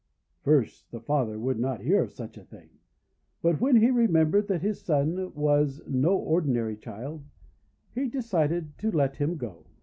first the father would not hear of such a PEACH BOY'S RICE CAKES 373 thing, but when he remembered that his son was no ordinary child, he decided to let him go.